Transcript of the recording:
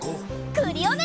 クリオネ！